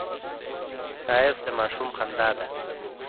ښایست د ماشوم خندا ده